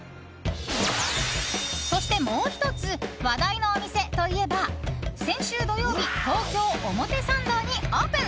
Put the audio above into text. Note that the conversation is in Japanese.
そして、もう１つ話題のお店といえば先週土曜日東京・表参道にオープン。